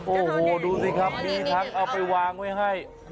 โอ้โหดูสิครับมีทั้งเอาไปวางไว้ให้